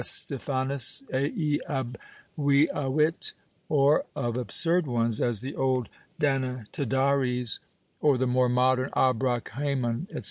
Stephanus ei obviavit; or of absurd ones as the old Danatadaries, or the more modern Ahrach Haymon etc.